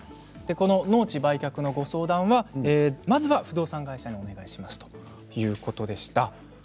農地売却のご相談はまずは不動産会社にということでした。